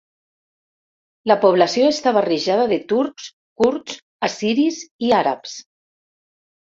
La població està barrejada de turcs, kurds, assiris i àrabs.